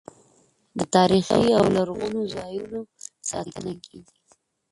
د تاریخي او لرغونو ځایونو ساتنه کیږي.